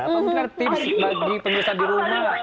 apa mungkin ada tips bagi pengusaha di rumah